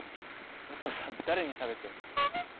お父さん誰にしゃべってるの？